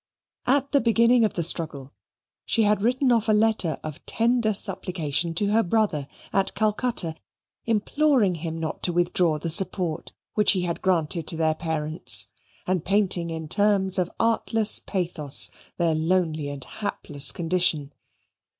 At the beginning of the struggle, she had written off a letter of tender supplication to her brother at Calcutta, imploring him not to withdraw the support which he had granted to their parents and painting in terms of artless pathos their lonely and hapless condition.